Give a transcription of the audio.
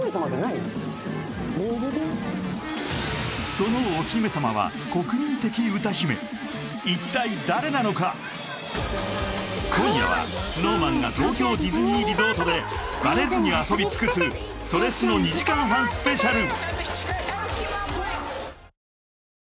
そのお姫様は国民的歌姫一体誰なのか今夜はＳｎｏｗＭａｎが東京ディズニーリゾートでバレずに遊び尽くすそれスノ２時間半スペシャル